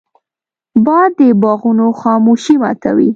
باد د باغونو خاموشي ماتوي